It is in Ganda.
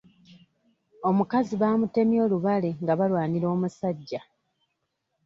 Omukazi baamutemye olubale nga balwanira omusajja.